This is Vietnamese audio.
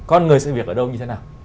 con người sự việc ở đâu như thế nào